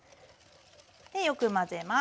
よく混ぜます。